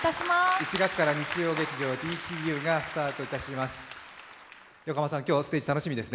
１月から日曜劇場「ＤＣＵ」がスタートいたします。